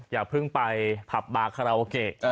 อย่าเพิ่งไปผับบาคาราโอเกะ